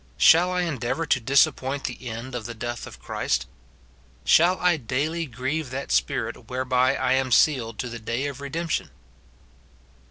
Shall I endeavour to dis appoint the end of the death of Christ ? Shall I daily grieve that Spirit whereby I am sealed to the day of redemption